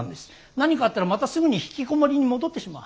何かあったらまたすぐにひきこもりに戻ってしまう。